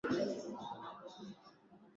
kwa ujumla ulihakikisha hali ya amani